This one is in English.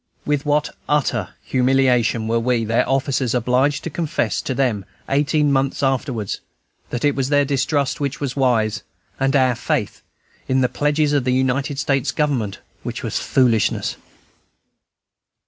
* *With what utter humiliation were we, their officers, obliged to confess to them, eighteen months afterwards, that it was their distrust which was wise, and our faith in the pledges of the United States Government which was foolishness!